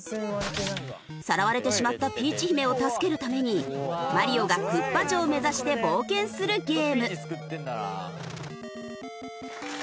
さらわれてしまったピーチ姫を助けるためにマリオがクッパ城を目指して冒険するゲーム。